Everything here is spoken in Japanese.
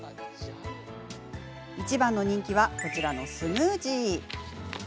いちばんの人気はこちらのスムージー。